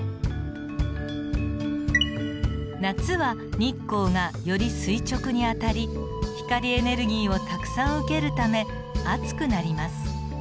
夏は日光がより垂直に当たり光エネルギーをたくさん受けるため暑くなります。